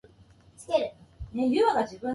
しらん